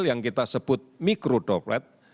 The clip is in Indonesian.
yang kita sebut mikro droplet